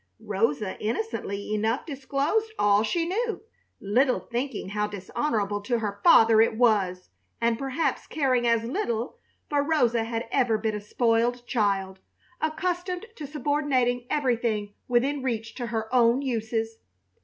Rosa innocently enough disclosed all she knew, little thinking how dishonorable to her father it was, and perhaps caring as little, for Rosa had ever been a spoiled child, accustomed to subordinating everything within reach to her own uses.